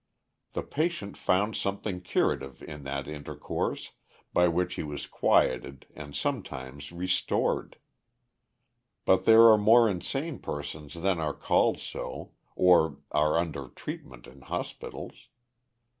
The patient found something curative in that intercourse, by which he was quieted and sometimes restored. But there are more insane persons than are called so, or are under treatment in hospitals.